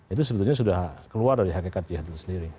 itu sebetulnya sudah keluar dari hakikat jihad itu sendiri